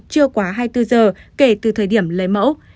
chưa quá hai mươi bốn giờ kể từ thời điểm lấy mẫu